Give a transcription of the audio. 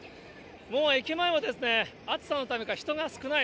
もう駅前は暑さのためか、人が少ない。